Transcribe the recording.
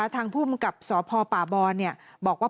ทางผู้บังกับสพปบบอกว่า